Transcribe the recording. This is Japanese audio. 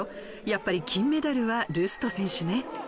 やっぱり金メダルはルスト選手ね。